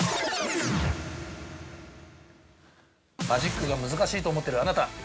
◆マジックが難しいと思ってるあなた！